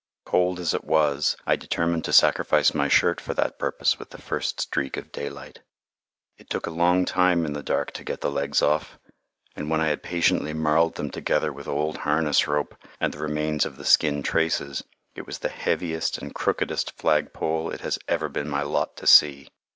Cold as it was, I determined to sacrifice my shirt for that purpose with the first streak of daylight. It took a long time in the dark to get the legs off, and when I had patiently marled them together with old harness rope and the remains of the skin traces, it was the heaviest and crookedest flag pole it has ever been my lot to see.